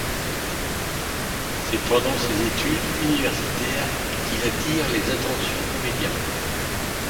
C'est pendant ses études universitaires qu'il attire les attentions des médias.